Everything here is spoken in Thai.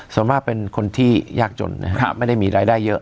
ส่วนมากเป็นคนที่ยากจนนะครับไม่ได้มีรายได้เยอะ